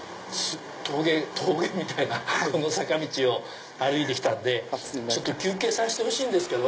峠みたいなこの坂道を歩いてきたんで休憩させてほしいんですけど。